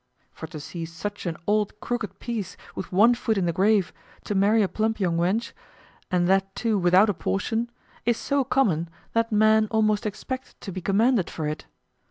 For to see such an old crooked piece with one foot in the grave to marry a plump young wench, and that too without a portion, is so common that men almost expect to be commended for it.